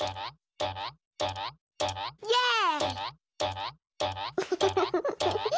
イエーイ！